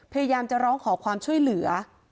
พยายามจะร้องขอความช่วยเหลือ